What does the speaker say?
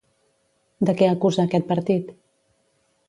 De què acusa aquest partit?